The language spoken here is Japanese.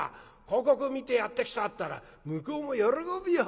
広告見てやって来たったら向こうも喜ぶよ。